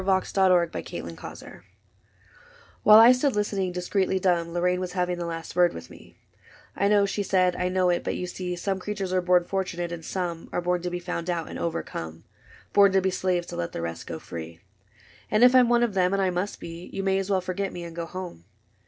THE GROWTH OF " LORRAINE While I stood listening, discreetly dumb, Lorraine was having the last word with me :" I know," she said, " I know it, but you see Some creatures are born fortunate, and some Are born to be found out and overcome, — Born to be slaves, to let the rest go free ; And if I *m one of them (and I must be) You may as well forget me and go home.